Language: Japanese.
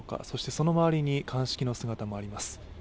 その周りに鑑識の姿もあります。